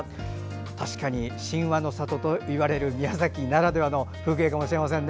確かに神話の里といわれる宮崎ならではの風景かもしれませんね。